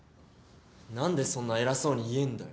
何でそんな偉そうに言えんだよ。